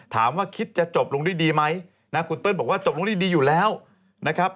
ถามว่าคิดจะจบลงด้วยดีไหมนะคุณเติ้ลบอกว่าจบลงด้วยดีอยู่แล้วนะครับ